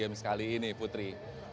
sea games kali ini putri